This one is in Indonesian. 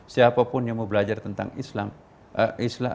siapapun yang mau belajar tentang islam